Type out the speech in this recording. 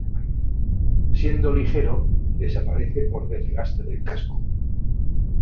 Siendo ligero, desaparece por desgaste del casco.